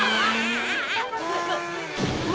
うわ！